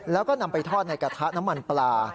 แล้วก็นำไปทอดในกระทะน้ำมันปลา